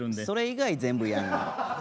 それ以外全部やんの？